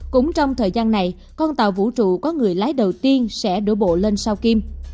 cũng trong thời gian này con tàu vũ trụ có người lái đầu tiên sẽ đổ bộ lên sao kim